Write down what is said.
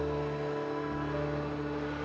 kita itu gak punya uang buat bayar uang mukanya